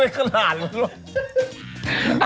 มึงก็เรียกขนาดนึงแล้ว